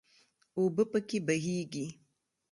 اوبه پکې بهیږي.